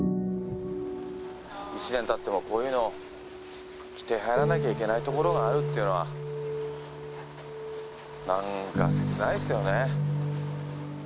１年たってもこういうの着て入らなきゃいけない所があるっていうのは、なんかせつないですよね。